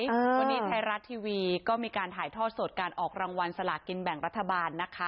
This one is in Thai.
วันนี้ไทยรัฐทีวีก็มีการถ่ายทอดสดการออกรางวัลสลากินแบ่งรัฐบาลนะคะ